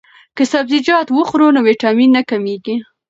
که سبزیجات وخورو نو ویټامین نه کمیږي.